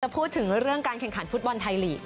พูดถึงเรื่องการแข่งขันฟุตบอลไทยลีก